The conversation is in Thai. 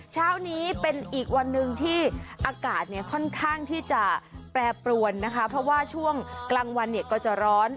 เช้านี้เป็นอีกวันหนึ่งที่อากาศเนี่ยค่อนข้างที่จะแปรปรวนนะคะเพราะว่าช่วงกลางวันเนี่ยก็จะร้อน